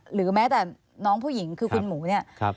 หรือแม้แต่น้องผู้หญิงคือคุณหมูเนี่ย